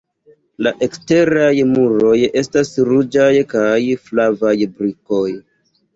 La eksteraj muroj estas ruĝaj kaj flavaj brikoj.